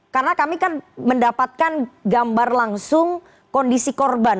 karena kami kan mendapatkan gambar langsung kondisi korban